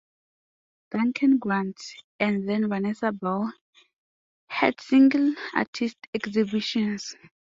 Duncan Grant, and then Vanessa Bell, had single-artist exhibitions.